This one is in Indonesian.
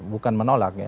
bukan menolak ya